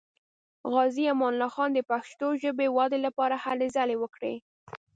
غازي امان الله خان د پښتو ژبې ودې لپاره هلې ځلې وکړې.